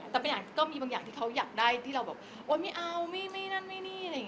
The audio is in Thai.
แต่ก็มีบางอย่างที่เขาอยากได้ที่เราบอกว่าไม่เอาไม่นั่นไม่นี่